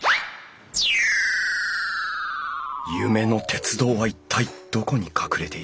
夢の鉄道は一体どこに隠れているんだ！